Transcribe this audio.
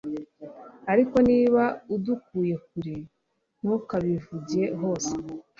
ariko niba udukuye kure ntukabivuge hose